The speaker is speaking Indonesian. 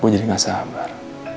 gue jadi gak sabar